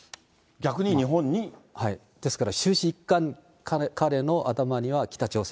ですから終始一貫、彼の頭には北朝鮮。